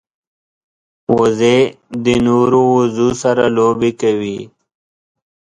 وزې د نورو وزو سره لوبې کوي